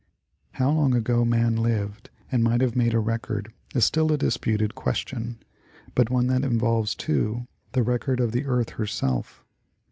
How long ago man lived and might have made a rec ord is still a disputed question, but one that involves too, the rec ord of the earth herself.